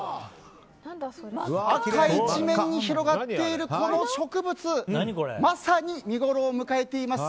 赤一面広がっている、この植物まさに見ごろを迎えています